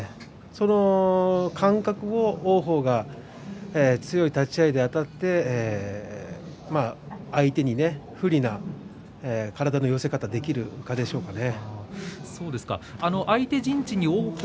その間隔で王鵬が強い立ち合いであたって相手に不利な体の寄せ方ができるかどうかでしょうね。